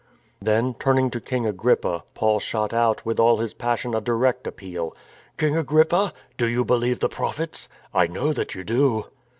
Then, turning to King Agrippa, Paul shot out, with all his passion, a direct appeal : "King Agrippa, do you believe the Prophets? I know that you do."